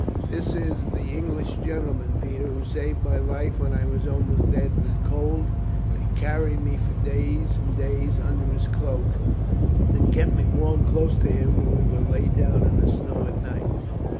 This is the English gentleman, Peter, who saved my life when I was almost dead with cold, and carried me for days and days under his cloak, and kept me warm close to him when we lay down in the snow at night."